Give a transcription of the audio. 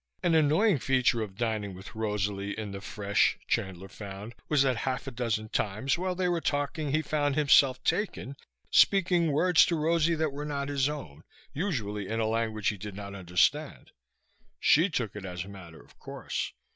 An annoying feature of dining with Rosalie in the flesh, Chandler found, was that half a dozen times while they were talking he found himself taken, speaking words to Rosie that were not his own, usually in a language he did not understand. She took it as a matter of course.